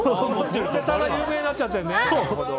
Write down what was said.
ネタが有名になっちゃってね。